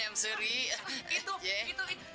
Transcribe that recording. anggur gini buah